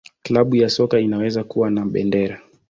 Klabu ya soka inaweza kuwa na bendera.